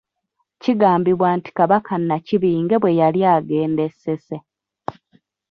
Kigambibwa nti Kabaka Nnakibinge bwe yali agenda e Ssese .